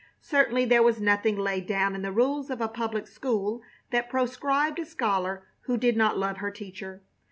Certainly there was nothing laid down in the rules of a public school that proscribed a scholar who did not love her teacher.